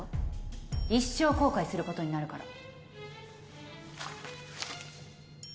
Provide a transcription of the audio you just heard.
一生後悔することになるから。